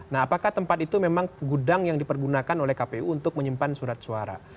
nah apakah tempat itu memang gudang yang dipergunakan oleh kpu untuk menyimpan surat suara